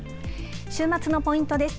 週末のポイントです。